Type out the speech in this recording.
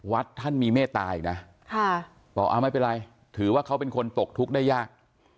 วัดท่านมีเมตตาอีกนะบอกไม่เป็นไรถือว่าเขาเป็นคนตกทุกข์ได้ยาก